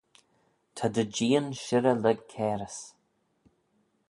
Ta dy jeean shirrey lurg cairys.